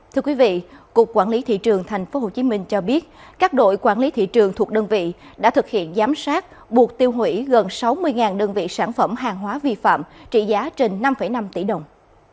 thưa quý vị cục quản lý thị trường tp hcm cho biết các đội quản lý thị trường thuộc đơn vị đã thực hiện giám sát buộc tiêu hủy gần sáu mươi đơn vị sản phẩm hàng hóa vi phạm trị giá trên năm năm tỷ đồng